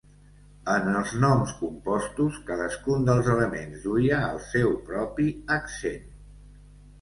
En els noms compostos, cadascun dels elements duia el seu propi accent.